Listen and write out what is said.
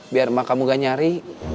biar kamu gak nyari